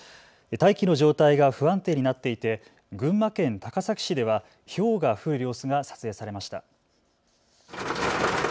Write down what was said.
大気の状態が不安定になっていて群馬県高崎市では、ひょうが降る様子が撮影されました。